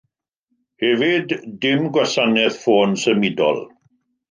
Hefyd dim gwasanaeth ffôn symudol.